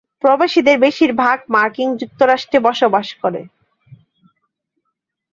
প্রবাসীদের বেশির ভাগই মার্কিন যুক্তরাষ্ট্রে বাস করে।